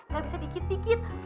gak bisa dikit dikit